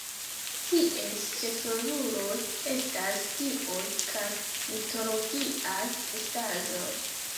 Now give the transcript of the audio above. Ties ĉefroluloj estas dioj kaj mitologiaj estaĵoj.